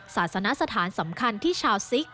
ศาสนสถานสำคัญที่ชาวซิก